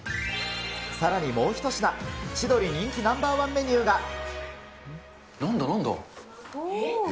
さらにもう一品、ちどり人気ナンバーワンメニューが。